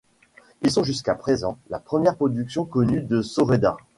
Ils sont jusqu'à présent, la première production connue de Soreda.